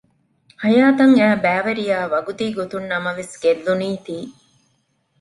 ހަޔާތަށް އައި ބައިވެރިޔާ ވަގުތީގޮތުން ނަމަވެސް ގެއްލުނީތީ